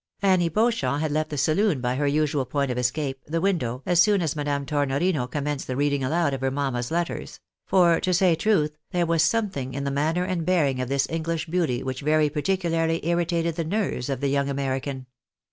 Annie Beauchamp had left the saloon by her i;sual point of escape, the window, as soon as Madame Tornorino commenced the reading aloud of her mamma's letters ; for to say truth, there was something in the manner and bearing of this English beauty which very particularly irritated the nerves of the young American.